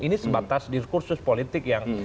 ini sebatas diskursus politik yang